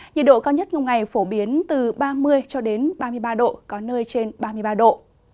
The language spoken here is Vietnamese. nhiệt độ cao nhất trong ngày phổ biến từ ba mươi ba mươi ba độ có nơi trên ba mươi ba độ